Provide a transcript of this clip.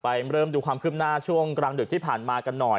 เริ่มดูความคืบหน้าช่วงกลางดึกที่ผ่านมากันหน่อย